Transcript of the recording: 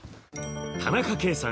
田中圭さん